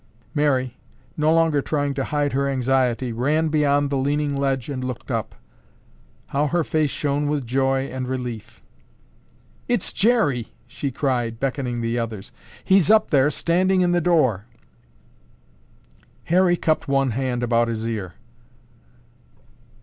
Mary, no longer trying to hide her anxiety, ran beyond the leaning ledge and looked up. How her face shone with joy and relief! "It's Jerry!" she cried, beckoning the others. "He's up there standing in the door." Harry cupped one hand about his ear.